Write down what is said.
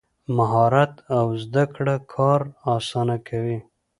مهارت او زده کړه کار اسانه کوي.